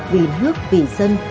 vì nước vì dân